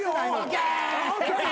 ＯＫ！